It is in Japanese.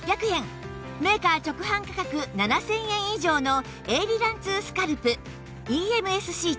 メーカー直販価格７０００円以上のエイリラン２スカルプ ＥＭＳ シート